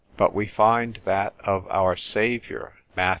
But we find that of our Saviour, Mat.